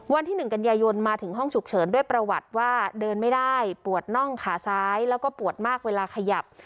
วันที่๑กันยายนมาถึงห้องฉุกเฉินด้วยประวัติว่าเดินไม่ได้ปวดน่องขาซ้ายแล้วก็ปวดมากเวลาขยับ